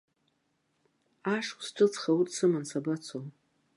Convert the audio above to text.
Ашықәс ҿыцха урҭ сыман сабацо?